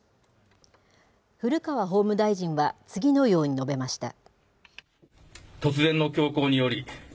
古川法務大臣は次のように述べました。